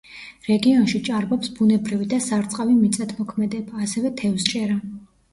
რეგიონში ჭარბობს ბუნებრივი და სარწყავი მიწადმოქმედება, ასევე თევზჭერა.